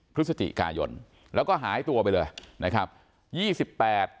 พฤศจิกายนแล้วก็หายตัวไปเลยนะครับยี่สิบแปด